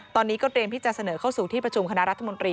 ตอนนี้ก็เตรียมที่จะเสนอเข้าสู่ที่ประชุมคณะรัฐมนตรี